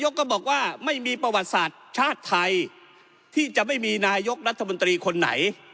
ก็บอกว่าไม่มีประวัติศาสตร์ชาติไทยที่จะไม่มีนายกรัฐมนตรีคนไหน